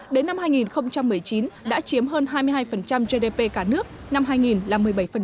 đến năm hai nghìn một mươi chín đã chiếm hơn hai mươi hai gdp cả nước năm hai nghìn là một mươi bảy